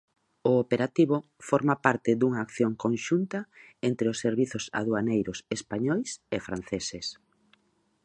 O operativo forma parte dunha acción conxunta entre os servizos aduaneiros españois e franceses.